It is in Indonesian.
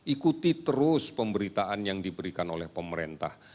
ikuti terus pemberitaan yang diberikan oleh pemerintah